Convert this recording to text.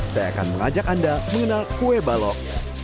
saya akan mengajak anda mengenal kue balok